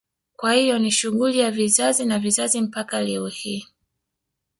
Kwa hiyo ni shughuli ya vizazi na vizazi mpaka leo hii